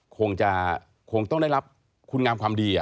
คงจะคงต้องได้รับคุณงามความดี